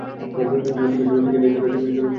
বিংশ শতাব্দীর শুরুর দিকে এই লড়াইটি বিলুপ্ত হয়েছে।